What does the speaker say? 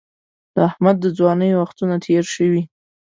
د احمد د ځوانۍ وختونه تېر شوي.